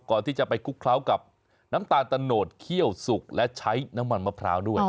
ก่อนที่จะไปคลุกเคล้ากับน้ำตาลตะโนดเคี่ยวสุกและใช้น้ำมันมะพร้าวด้วย